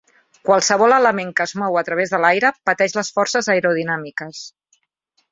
Qualsevol element que es mou a través de l'aire pateix les forces aerodinàmiques.